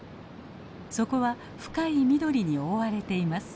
そこは深い緑に覆われています。